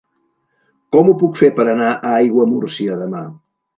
Com ho puc fer per anar a Aiguamúrcia demà?